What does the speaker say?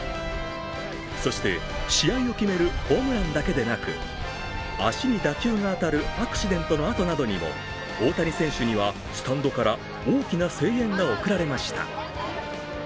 そして、試合を決めるホームランだけでなく、足に打球が当たるアクシデントのあとなどにも大谷選手にはスタンドから大きな声援が送られました。